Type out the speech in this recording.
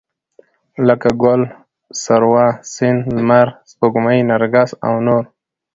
لکه ګل، سروه، سيند، لمر، سپوږمۍ، نرګس او نور